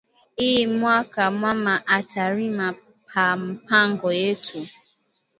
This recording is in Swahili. Iyi mwaka mama ata rima pa mpango yetu